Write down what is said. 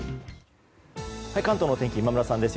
関東の天気今村さんです。